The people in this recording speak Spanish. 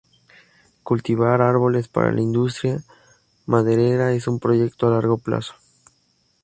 Cultivar árboles para la industria maderera es un proyecto a largo plazo.